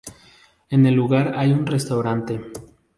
En el lugar hay un restaurante.